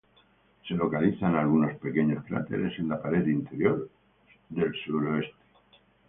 Se localizan algunos pequeños cráteres en la pared interior al suroeste.